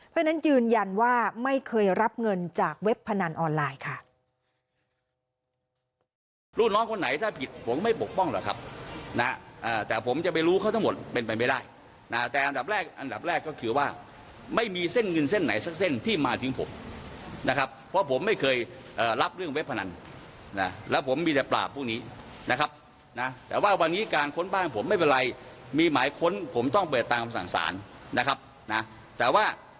เพราะฉะนั้นยืนยันว่าไม่เคยรับเงินจากเว็บพนันออนไลน์ค่ะ